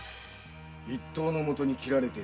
一刀のもとに斬られている。